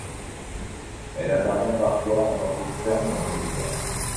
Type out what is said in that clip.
Elle intervient parfois en tant qu'experte dans les médias.